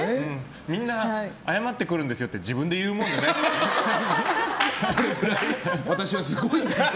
みんな謝ってくるんですよって自分で言うもんじゃないですよ。